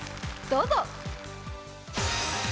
どうぞ。